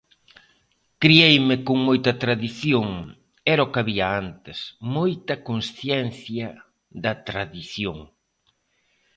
Crieime con moita tradición, era o que había antes, moita consciencia da tradición.